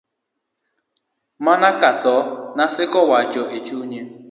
mana ka atho, Naseko nowacho e chunye